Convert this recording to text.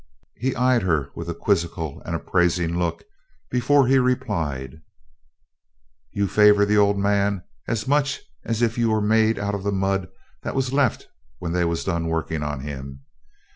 He eyed her with a quizzical and appraising look before he replied: "You favor the Old Man as much as if you was made out of the mud that was left when they was done workin' on him.